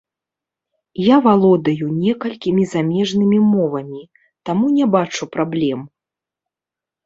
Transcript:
Я валодаю некалькімі замежнымі мовамі, таму не бачу праблем.